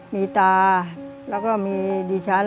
มีตาแล้วก็มีดิฉัน